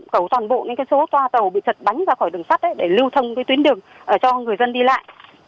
cấu toàn bộ những số toa tàu bị chật bánh ra khỏi đường sắt để lưu thông cái tuyến đường cho người dân đi lại